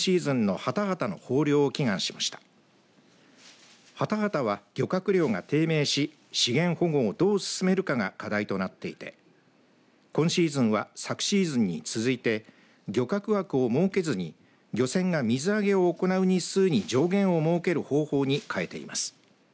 ハタハタは漁獲量が低迷し資源保護をどう進めるかが課題となっていて今シーズンは昨シーズンに続いて漁獲枠を設けずに漁船が水揚げを行う日数に上限を設ける方法に変えています。